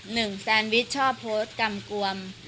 แซนวิชชอบโพสต์กำกวม